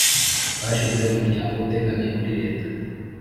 bashinze umuryango utegamiye kuri leta.